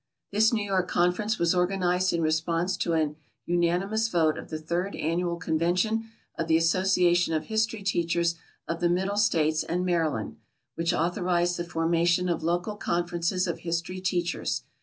This New York Conference was organized in response to an unanimous vote of the third annual convention of the Association of History Teachers of the Middle States and Maryland, which authorized the formation of local conferences of history teachers.